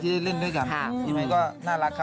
เพราะว่าใจแอบในเจ้า